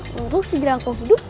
lalu si jelangkau hidup